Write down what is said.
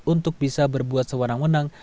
untuk bisa berbuat seorang menang